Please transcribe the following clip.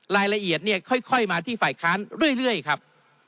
รายละเอียดเนี่ยค่อยมาที่ฝ่ายค้านเรื่อยครับ